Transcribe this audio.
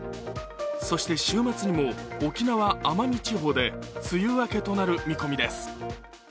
そして週末にも沖縄・奄美地方で梅雨明けとなる見込みです。